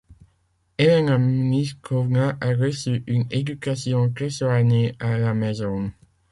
Helena Mniszkówna a reçu une éducation très soignée à la maison.